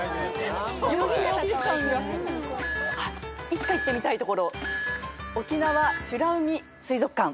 いつか行ってみたい所。